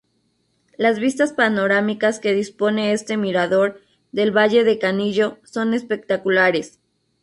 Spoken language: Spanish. La vistas panorámicas que dispone este mirador, del valle de Canillo, son espectaculares.